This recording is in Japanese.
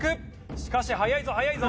しかし速いぞ速いぞ。